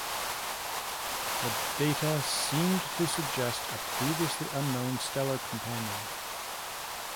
The data seemed to suggest a previously unknown stellar companion.